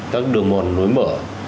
các đường mòn nối mở